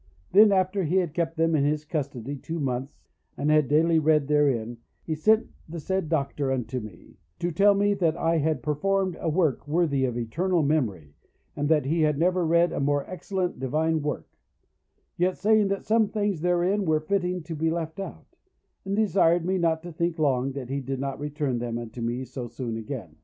Then, after he had kept them in his custody two months, and had daily read therein, he sent the said Doctor unto me, to tell me that I had performed a work worthy of eternal memory, and that he had never read a more excellent divine work; yet saying that some things therein were fitting to be left out; and desired me not to think long that he did not return them unto me so soon again.